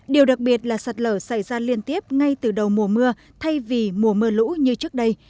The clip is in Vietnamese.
điều đặc biệt là sạt lở xảy ra liên tiếp ngay từ đầu mùa mưa thay vì mùa mưa lũ như trước đây